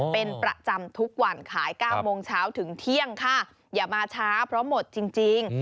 เป็นประจำทุกวันขาย๙โมงเช้าถึงเที่ยงค่ะอย่ามาช้าเพราะหมดจริง